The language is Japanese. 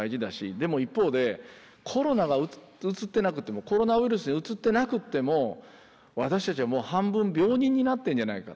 でも一方でコロナがうつってなくてもコロナウイルスにうつってなくっても私たちはもう半分病人になってんじゃないか。